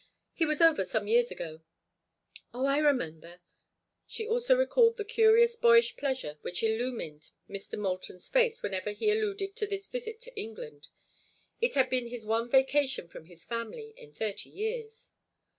He was over some years ago." "Oh, I remember." She also recalled the curious boyish pleasure which illumined Mr. Moulton's face whenever he alluded to this visit to England. It had been his one vacation from his family in thirty years.